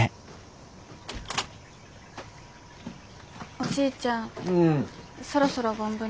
おじいちゃんそろそろ盆船。